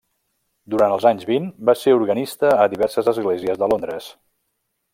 Durant els anys vint, va ser organista a diverses esglésies de Londres.